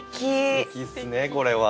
すてきっすねこれは。